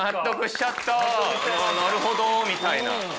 なるほどみたいな。